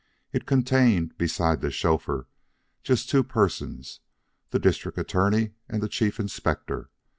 It contained, besides the chauffeur, just two persons, the District Attorney and the Chief Inspector.